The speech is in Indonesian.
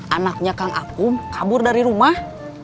anaknya kang aku kabur dari rumah